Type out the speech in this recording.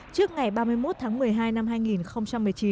trước ngày ba mươi một tháng một mươi hai năm hai nghìn một mươi chín